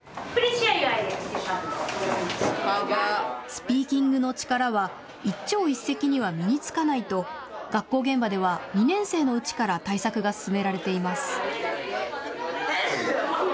スピーキングの力は一朝一夕には身につかないと学校現場では２年生のうちから対策が進められています。